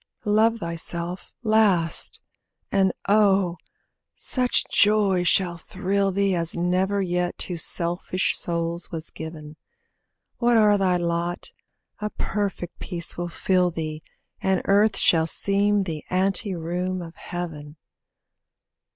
Love thyself last, and oh! such joy shall thrill thee As never yet to selfish souls was given; Whate'er thy lot, a perfect peace will fill thee, And earth shall seem the ante room of Heaven.